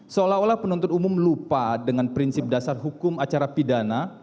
seolah olah penuntut umum lupa dengan prinsip dasar hukum acara pidana